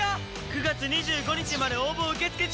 ９月２５日まで応募受け付け中。